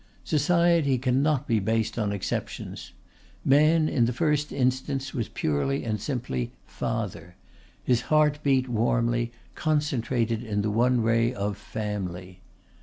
Society can not be based on exceptions. Man in the first instance was purely and simply, father; his heart beat warmly, concentrated in the one ray of Family.